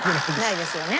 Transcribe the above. ないですよね。